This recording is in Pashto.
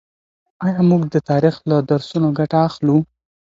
آيا موږ د تاريخ له درسونو ګټه اخلو؟